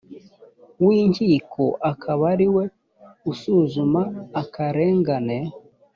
w inkiko akaba ariwe usuzuma akarengane